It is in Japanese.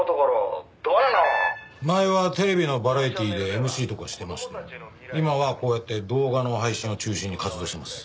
前はテレビのバラエティーでＭＣとかしてましたけど今はこうやって動画の配信を中心に活動してます。